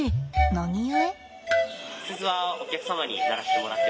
何故？